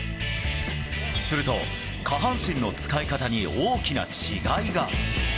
すると、下半身の使い方に大きな違いが。